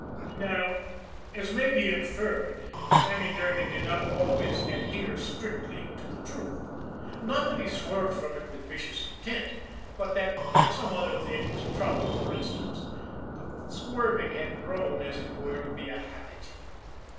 Now, as may be inferred, Sammy Durgan did not always adhere strictly to the truth not that he swerved from it with vicious intent, but that, like some other things, trouble for instance, the swerving had grown, as it were, to be a habit.